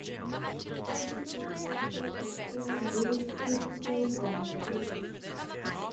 He did so through a screen which hid him from view.